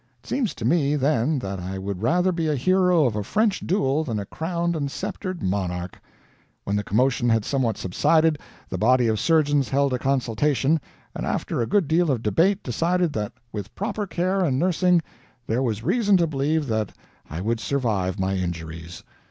It seems to me then that I would rather be a hero of a French duel than a crowned and sceptered monarch. When the commotion had somewhat subsided, the body of surgeons held a consultation, and after a good deal of debate decided that with proper care and nursing there was reason to believe that I would survive my injuries.